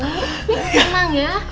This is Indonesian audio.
bikin senang ya